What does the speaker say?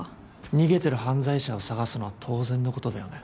逃げてる犯罪者を捜すのは当然のことだよね